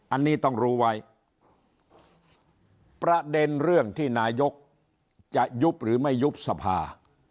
อันนี้ต้องรู้ไว้ประเด็นเรื่องที่นายกจะยุบหรือไม่ยุบสภา